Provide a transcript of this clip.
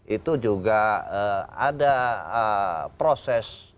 itu juga ada proses